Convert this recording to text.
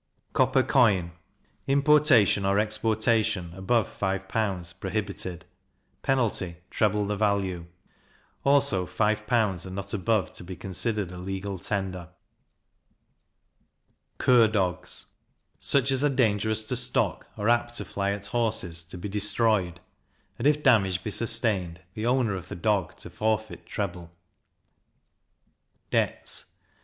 Copper Coin. Importation or exportation, above five pounds, prohibited; penalty, treble the value. Also five pounds, and not above, to be considered a legal tender. Cur Dogs. Such as are dangerous to stock, or apt to fly at horses, to be destroyed; and if damage be sustained, the owner of the dog to forfeit treble. Debts.